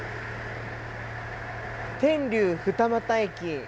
天竜二俣駅。